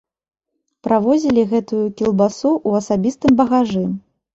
Правозілі гэтую кілбасу ў асабістым багажы.